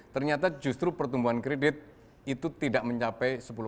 ternyata justru pertumbuhan kredit itu tidak mencapai suku bunga